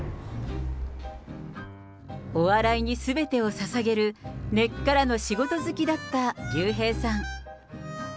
お笑いにすべてをささげる根っからの仕事好きだった竜兵さん。